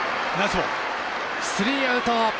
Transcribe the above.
スリーアウト！